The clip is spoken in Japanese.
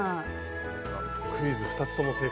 クイズ２つとも正解。